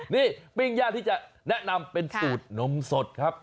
นี่ปิ้งย่างที่จะแนะนำเป็นสูตรนมสดครับ